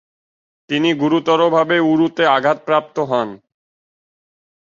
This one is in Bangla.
তিনি গুরুতরভাবে উরুতে আঘাতপ্রাপ্ত হন।